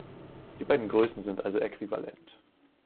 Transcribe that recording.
Die beiden Größen sind also äquivalent.